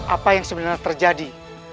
apa yang sebenarnya terjadi